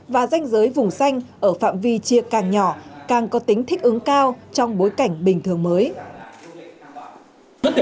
và danh giới vùng xanh ở phạm vi chia càng nhỏ càng có tính thích ứng cao trong bối cảnh bình thường mới